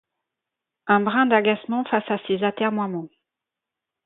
Un brin d’agacement, face à ses atermoiements.